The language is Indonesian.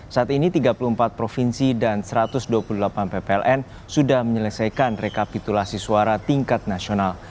saat ini tiga puluh empat provinsi dan satu ratus dua puluh delapan ppln sudah menyelesaikan rekapitulasi suara tingkat nasional